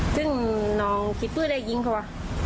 ซึ่งน้องคิดไปตั้งแต่ยิงเขาว่ะ